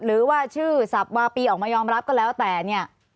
หรือว่าชื่อสับวาปีออกมายอมรับก็แล้วแต่เนี่ย